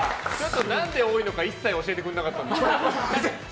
何で多いのか一切教えてくれなかったね。